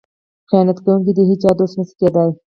خیانت کوونکی د هیچا دوست نشي کیدی.